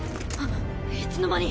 いつの間に。